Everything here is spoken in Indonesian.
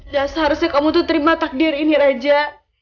dan seharusnya kamu tuh terima takdir ini raja